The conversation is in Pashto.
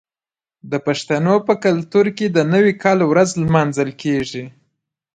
د پښتنو په کلتور کې د نوي کال ورځ لمانځل کیږي.